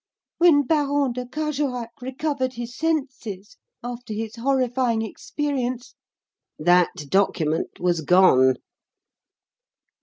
When Baron de Carjorac recovered his senses after his horrifying experience " "That document was gone?"